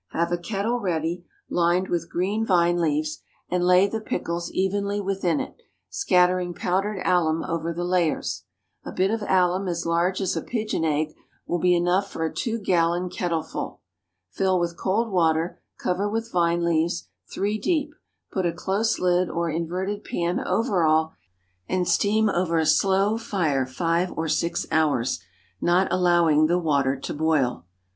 Have a kettle ready, lined with green vine leaves, and lay the pickles evenly within it, scattering powdered alum over the layers. A bit of alum as large as a pigeon egg will be enough for a two gallon kettleful. Fill with cold water, cover with vine leaves, three deep; put a close lid or inverted pan over all, and steam over a slow fire five or six hours, not allowing the water to boil.